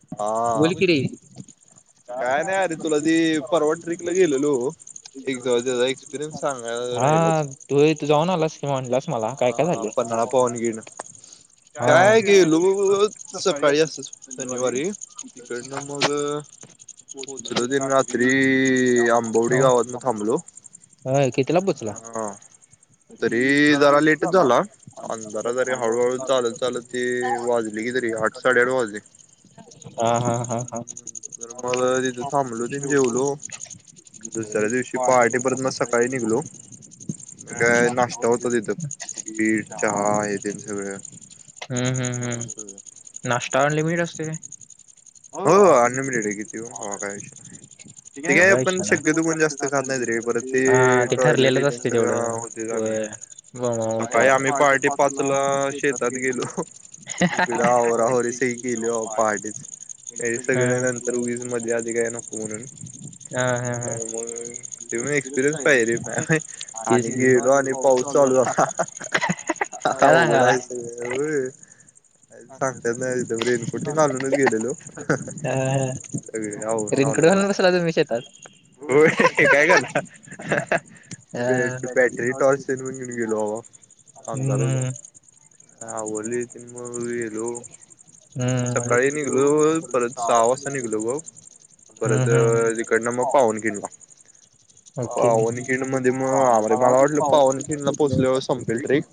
हा्. बोल कि रे, हा तू तू जाऊन आलास कि म्हणालास हा पन्हाळा पाहन घेण काय गेलो सकाळी अस शनिवारी तिकडनं मग पोहोचल तनी रात्री आंबवडी गावातन थांबलो. हा तरी जरा लेटच झाला अंधारा जरी हळूहळू चालत चालत ते वाजली कि तरी आठ साडेआठ वाजेले. हा हा हा ह मला ठेववहाे म स हम्म हम्म हम्म. नाश्तावर लिमिट असत तेे हो आंद ते ठरलेलंच असते तेवढ पा शात गेलो. सगळ नंतर उगीच मध्ये आधी काय नको म्हणून का मग तेण एक्सपिरियन्स पाहिे रे आणि गेलो आणि पाऊस चालू आला अवघडायचं सांगताात नाही तथ रेनकोट घालून गेलेलो. सगळे आव लावल म्हणा हो काय करणार बॅटरी टॉर्चल म्हणे गेलो बाबा अमदार होता आवली मग गेलो सकाळी निघालो परत सहा वाजता निघलो ग परत तिकडनं मग पावनखिंडला, पावनखिंड मध्ये मग आमरे मला वाटलं पावनखिंडला पोहोचल संपेल ट्रक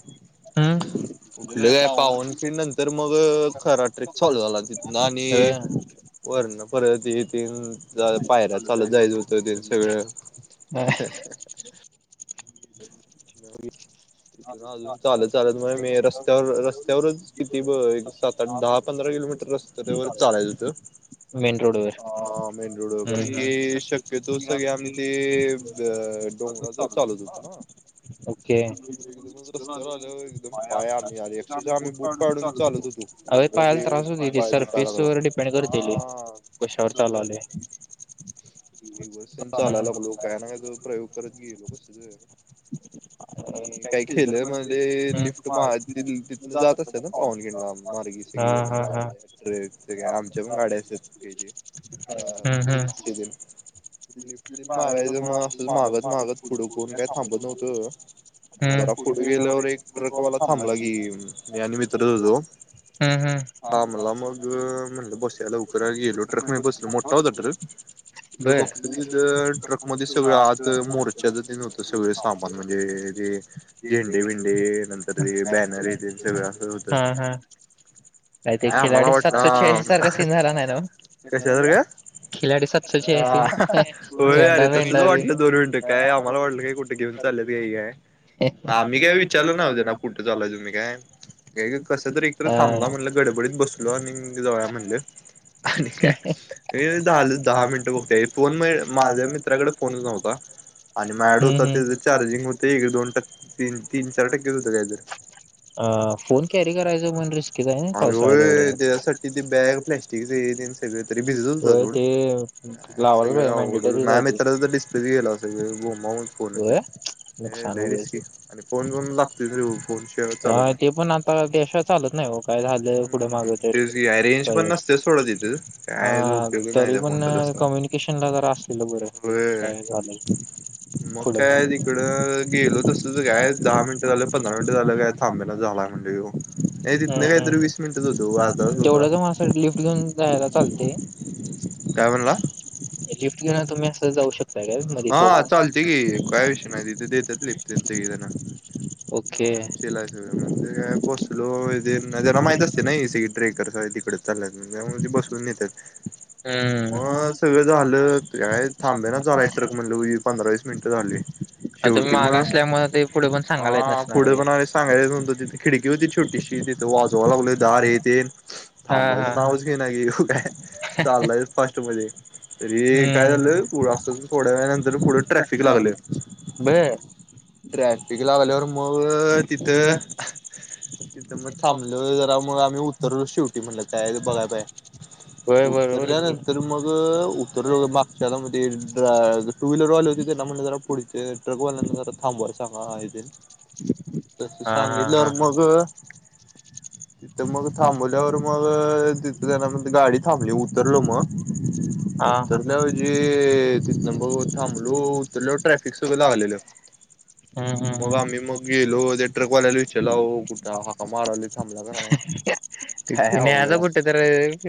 उठलं का पावनखिंड नंतर मग खरा ट्रक चालू झाला तिथ नानी वर. नको र ती तीन पायऱ्या चालत जायचं होतं तेन सगळं [inaudible] [inaudible] ना अजून चालत चालत म मीं रस्त्यावर रस्त्यावरच किती एक सात आठ दहा पंधरा किलोमीटर रस्त्याच्या वर चालायच होतं, अ मेन रोड वगैरे कि शक्यतो सगळे आम्ही ते डोंगरात चालत होतो ना ओके. रस्त्यावर आल्याव आम्ही एकदम पाय आम्ही यार अक्षरशः आम्ही बूट काढून चालत हूतो एवढं ते पाय दुखाय लागला, हा तसच झालं चालायला लागलो काय ना काय ना काय तर प्रयोग करत गेलो कसलं आणि का टेलर म्हणले लिफ्ट मागत तिथनं जात असलं ना पाहून घेणला मार्गे सगळी जण गाड्या ट्रक सगळं, आमच्या पण गाड्या असतात त्या ज ग्रुपचे ते ते लिफ्ट तेन मागायचं मग असं मागत मागत पुढं कोण काय [inaudible] पुढे गेल्यावर एक ट्रकवाला थांबला येऊन, मी आणि मित्र होतो, थांबला मग म्हणलं बसुया लवकर गेलो ट्रकने बसलो मोठा होता ट्रक, तर बघतु तिथ ट्रक मध्ये सगळं आत मोर्चाच तेन जात न होत सगळे साबण म्हणजे ते हा हा, काय ते खिलाडी सातसो छिहासी सारखा सीन झाला नाही न्हवं, कशासारखा? खिलाडी सातसो छिहासी झेंडा बिंडा ते कुठं घेऊन चालल्यात ये या आम्ही काय विचारलं नव्हत ना कुठे चालाय तुम्ही काय? कसं तरी इकडं थांबला म्हणलं गडबडीत बसलो आम्ही आणि जाऊया म्हणलं आणि काय दहा मिनिटं बघत्या फोन म माझ्या मित्राकड फोनच नव्हता आणि मायाकडं हुता त्याज चार्जिंग हुतं एक दोन टक्के. अ फोन कॅरी करायच म्हण जाऊ ना पावसाळ्यात एवढं, हो ते लावायाला पाहिजे, मॅडेटरी आहे ते. होय? नुकसान वगैर हा ते पण आता त्याशिवाय चालत नाही ओ. काय झालं पुढं माग तर, हा तरी पण कम्युनिकेशनला जरा असलेलं बरं, काय झालं पुढं. का दहा मिनट झाले पंधरा मिनट झालं काय थांबे ना झाला म्हंटेऊ ति काय तेवढंच माणसांनां लिफ्ट घेऊन जाया ला चालतय. काय म्हणला? लिफ्ट घेऊन तुम्ही अस तर जाऊ शक हा हा चालते कीं, काय विषय नाही, तिथे देतात लिफ्ट तेन. सगळं म्हणजे का बसलो त्यांना माहित असते ना एसी ट्रेकर्स तिकड चालते म्हणून त्यामुळे ते बसवून नेतात मग सगळं झालं काय थांबे ना झालाय ट्रक म्हणले पंधरा वीस मिनिटं झाली शेवटी मग - हा पुढे पण सांगायलाच होत तिथे खिडकी होती छोटीशी तिथं वाजवालागलोय दार ये तेन थांबायचं नावच घेईना की ये काय चालायच फास्ट मध्ये तरी काय झालंय पुढं असंच! पुढं- पुढ ट्राफिक लागलं बर- ट्रॅफिक लागल्यावर मग तिथं तिथ मग थांबलं जरा मग आम्ही उतरलो शेवटी म्हणलं काय बघाय पाया उतरल्यानंतर मग उतरल मागच्या मध्ये! टू व्हीलरवाले होते त्यांना म्हणलं जरा पुढ - ते ट्रकवाल्यांना जरा थांबवाय सांगा हे ते! तस सांगितल्यावर मग तिथं मग थांबवल्यावर मग तिथ त्याना गाडी थांबली उतरल मग उतरल्या म्हणजे! मग थांबलो उतरलो ट्रॅफिक सगळ लागलेल मग आम्ही! [unintelligible] ते नेहा च फोटो तर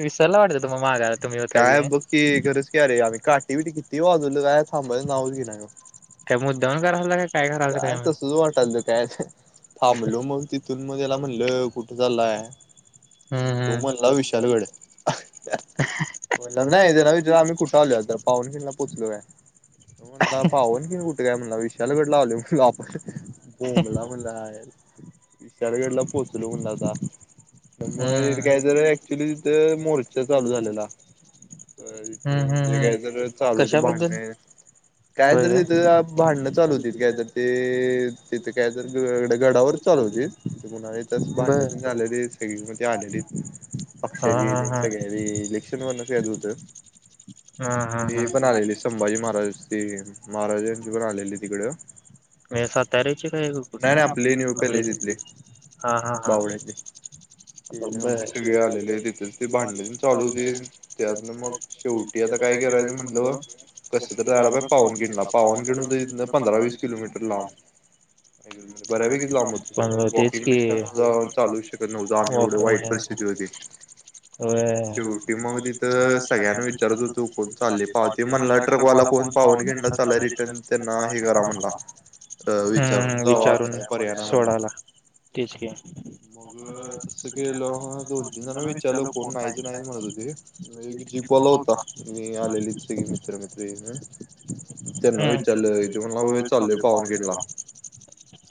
विसरला वाटत तते माग तुम्ही होता की! त्या मुद्दाम न करालायका काय करालत काय माहित. काय थांबलो मग तिथून मग त्याला म्हणल कुठं चाललाय तो म्हणला विशालगड त म्हणला नाही त्याला विचार आम्ही कुठे आलो आता पावनखिंड ला! म्हणला पावनखिंड कुठे काय म्हणला विशालगडला आलोय आपण! बोंबला म्हणल आईला- विशाळगडला पोहोचलो म्हणलं आता तर मग इथे काय जर ॲक्च्युली तिथे मोर्चा चालू झालेला तर तिथ म्हणजे जे! घ्यायचं काय चालू होत भांडणे काय तर तिथं भांडणं चालू होती काय तर ते तिथं काय तर गडावर चालू होतीत. म्हणाली भांडणातील झालेलीत सगळी आलेली पक्षाची सगळ्यांनी इलेक्शन वर्ण यायचं होतं. ते पण आलेली संभाजी महाराज त महाराजांची पण आलेली तिकड! साताऱ्याची काय कुठलं नाही आपल्या इथलच काय हां हां मग काय करायचं! म्हटलं कस तर जायला पाहिजे पावनखिंडला पावनखिंड होत इथन पंधरा वीस किलोमीटर - पण तेच की सगळ्यांना विचारत होतो. चालले पाहते म्हणला ट्रकवाला कोण पावनखिंडला चाललाय ला रिटर्न त्यांना हे करा म्हणला. हम्म विचारून सोडायला तेच की विचारलं कोण पाहिजेल आहे जीप वाला होता. आलेली सगळे मित्र -मित्र त्यांना विचारलं इथे म्हणला होय चाललोय पावनखिंडला!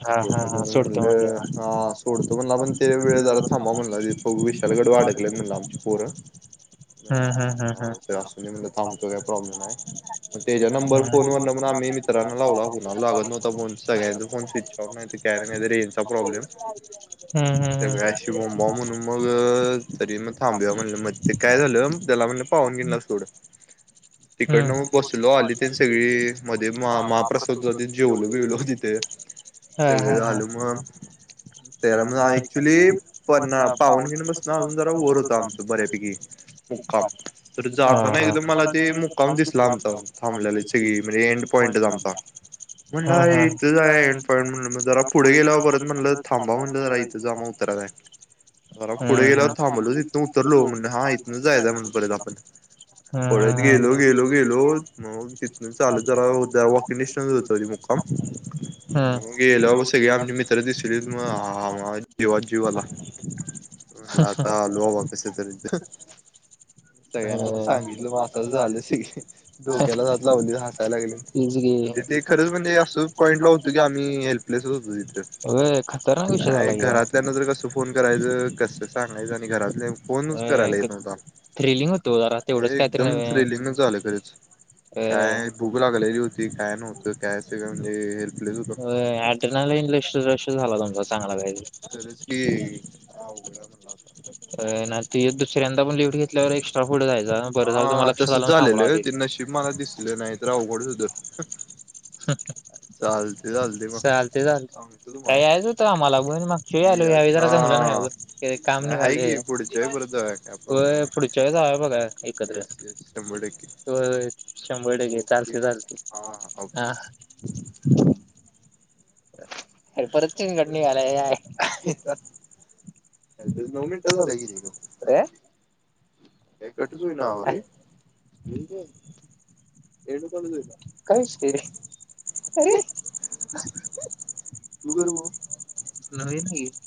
हां हां हा सोडतो म्हणला हां सोडतो म्हणला पण वेळ झाली थांबा म्हणला विशाळगडवर अडकल्यात पोर हां -हां! त्यांनी म्हणलं थांब काय प्रॉब्लेम नाही त्याचा नंबर त्याच्या फोनवरून आम्ही मित्रांना लावला कोणाला! गत नव्हता फोन सगळ्यांचा फोन स्विच ऑफ नाहीत काय नाही का रेंजचा प्रॉब्लेम सगळ्या अशी बॉमबा म्हणून मग तरी मग थांबुया म्हणलं मग ते काय झालं त्याला म्हणल पाहून घेइनला सोड. तिकडन म बसलो आली त्याण सगळी मध्ये म्हा महाप्रसाद [unintelligible] बिल तिथे सगळ झाल म त्याला ऍक्चुली पना पावन घे बसण अजून जरा वर होत आमच बऱ्यापैकी मुक्काम हा हा ह ह पुढत गेलो गेलो गेलो मग तिथन चालत जरा वॉकिंग डिस्टन्स हो मुकाम मग गेल्या व सगळे आमचे मित्र दिसले मग हा जीवात जीव आला, म्हणल आता आलो बाबा कस तरी सगळ्यांनाच सांगितल म असच झाल की स डोक्यालाच हात लावली हसाय लागले म्हणजे ते अ खतरनाक विषय झालाकी हा, अ आ थ्रिलिंग होत रा हे एकदम थ्रीलिंग झाल खरच काय भूक लागलेली होती काय नव्हत का म्हणजे हेल्पलेस होत [unintelligible] खरंच की, ह अवघडा म्हणला आता. य दुसऱ्यान हा तसच झालेल ते नशीब मला दिसले नाहीतर अवघडच होत [inaudible] चालते चाल, काय यायचं होत आम्हाला बण मागच्या आलो न ह्या वेळी जरा जमलं नाही व्ह, ते काम निघाले. व्हय पुढच्या वेळी जाऊ बघा एकत्र. व्हय व्हय शंभर टक्के चालते चालते. [inaudible] परत चेंगट निघालाययाय नऊ मिनट झालं की रे. काय? काय कटच होई ना अवा [unintelligible] [unintelligible]